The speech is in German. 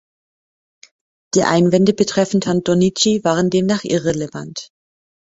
Die Einwände betreffend Herrn Donnici waren demnach irrelevant.